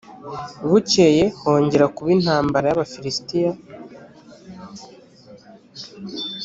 bukeye hongera kuba intambara y’abafilisitiya